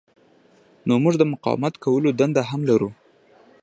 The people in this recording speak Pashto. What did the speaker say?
نو موږ د مقاومت کولو دنده هم لرو.